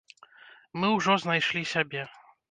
Мы ўжо знайшлі сябе.